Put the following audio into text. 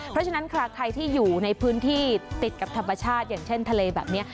เพราะฉะนั้นใครที่อยู่ในพื้นที่ติดกับธรรมชาติอย่างเช่นทะเลแบบนี้